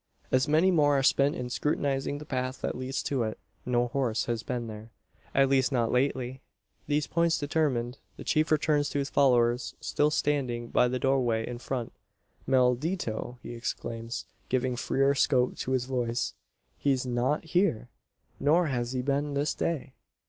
As many more are spent in scrutinising the path that leads to it. No horse has been there at least not lately. These points determined, the chief returns to his followers still standing by the doorway in front. "Maldito!" he exclaims, giving freer scope to his voice, "he's not here, nor has he been this day."